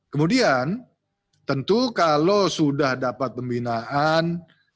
kemudian tentu kalau sudah dapat pembinaan